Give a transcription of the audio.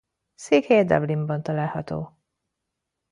Székhelye Dublinban található.